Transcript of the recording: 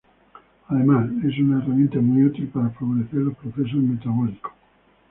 Además es una herramienta muy útil para favorecer los procesos metabólicos.